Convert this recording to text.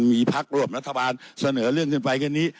มีพักร่วมรัฐบาลเสนอเรื่องขึ้นไปแค่นี้